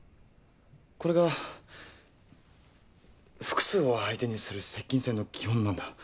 これが複数を相手にする接近戦の基本なんだ。